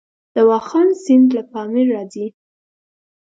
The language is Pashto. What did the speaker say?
د واخان سیند له پامیر راځي